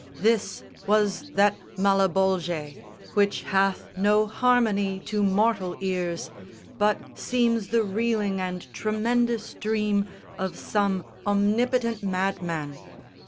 This was that Malebolge Which hath no harmony to mortal ears, But seems the reeling and tremendous dream Of some omnipotent madman.